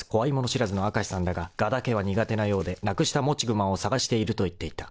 知らずの明石さんだがガだけは苦手なようでなくした「もちぐま」を捜していると言っていた］